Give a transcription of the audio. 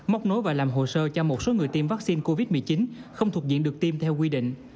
móc nối và làm hồ sơ cho một số người tiêm vaccine covid một mươi chín không thuộc diện được tiêm theo quy định